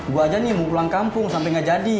gua aja nih mau pulang kampung sampe gak jadi